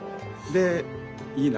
でいいな。